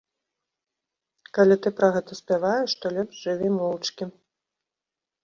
Калі ты пра гэта спяваеш, то лепш жыві моўчкі.